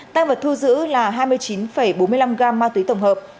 tăng vật thu giữ là hai mươi chín bốn mươi năm gam ma tuế tổng hợp